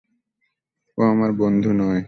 ও আমার বন্ধু নয়।